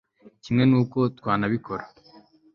kimwe n' uko twanabikora